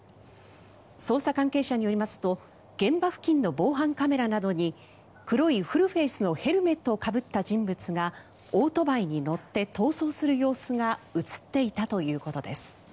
捜査関係者によりますと現場付近の防犯カメラなどに黒いフルフェースのヘルメットを被った人物がオートバイに乗って逃走する様子が映っていたということです。